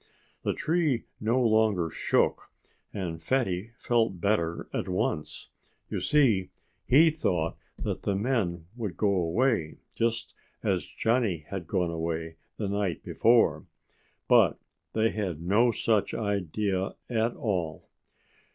The tree no longer shook. And Fatty felt better at once. You see, he thought that the men would go away, just as Johnnie had gone away the night before. But they had no such idea at all.